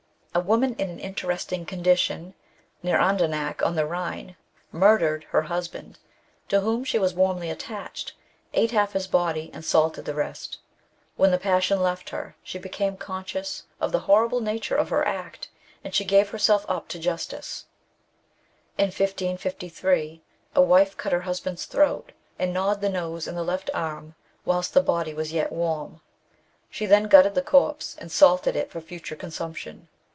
A woman in an interesting condition, near Andernach on the Khine, murdered her husband, to whom she was warmly attached, ate half his body, and salted the rest. When the passion left her she became conscious of the horrible nature of her act, and she gave herself up to justice. In 1553, a wife cut her husband's throat, and gnawed the nose and the left arm, whilst the body was yet warm. She then gutted the corpse, and salted it for future consumption.